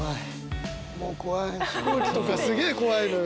もう怖い飛行機とかすげえ怖いのよ。